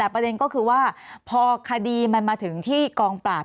พอคดีมันมาถึงที่กองปราบ